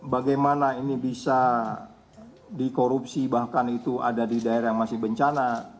bagaimana ini bisa dikorupsi bahkan itu ada di daerah yang masih bencana